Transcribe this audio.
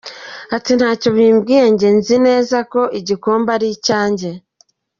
Ati “Ntacyo bimbwiye, njye nzi neza ko igikombe ari icyanjye.